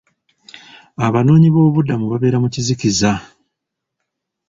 Abanoonyiboobubudamu babeera mu kizikiza.